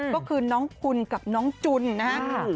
ก็คือน้องคุณกับน้องจุนนะครับ